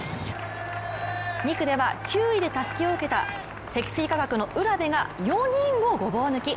２区では９位でたすきを受けた積水化学の卜部が４人をごぼう抜き。